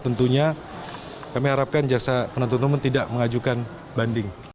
tentunya kami harapkan jaksa penuntut umum tidak mengajukan banding